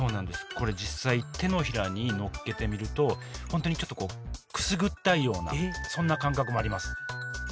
これ実際手のひらにのっけてみると本当にちょっとくすぐったいようなそんな感覚もあります